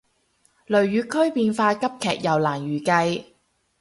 雷雨區變化急劇又難預計